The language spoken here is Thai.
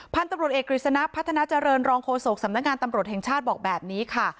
พันธุ์ตำรวจเอกกฤษณะพัฒนาเจริญรองโฆษกสำนักงานตำรวจแห่งชาติบอกแบบนี้ค่ะ